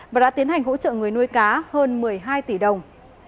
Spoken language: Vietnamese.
và đã tiến hành hỗ trợ người nuôi cá hơn một mươi hai tỷ đồng